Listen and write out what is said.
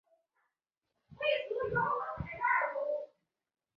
以下列出那些热带气旋的资料。